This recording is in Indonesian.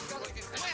kau yang ngapain